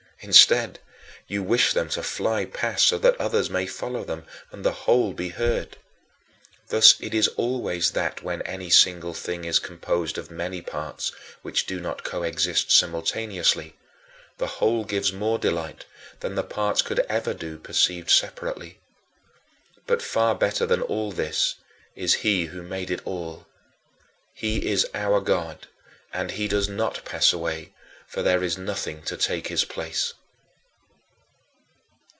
Instead, you wish them to fly past so that others may follow them, and the whole be heard. Thus it is always that when any single thing is composed of many parts which do not coexist simultaneously, the whole gives more delight than the parts could ever do perceived separately. But far better than all this is He who made it all. He is our God and he does not pass away, for there is nothing to take his place.